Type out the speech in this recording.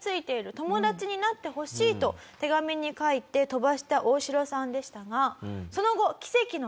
友達になってほしい」と手紙に書いて飛ばした大城さんでしたがその後。